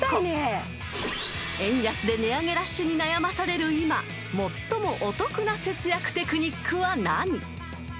［円安で値上げラッシュに悩まされる今最もお得な節約テクニックは何？］